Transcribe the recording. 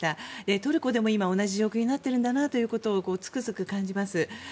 トルコでも今、同じ状況になっているんだなということをつくづく感じます。